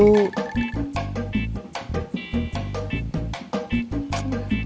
bantu saya cari dewi dulu